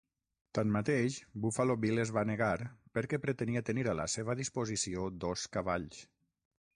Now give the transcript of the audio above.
Tanmateix Buffalo Bill es va negar perquè pretenia tenir a la seva disposició dos cavalls.